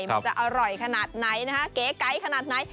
มันจะอร่อยขนาดไหนนะคะเก๋ไกขนาดไหน